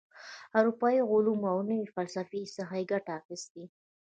اروپايي علومو او نوي فسلفې څخه یې ګټه اخیستې.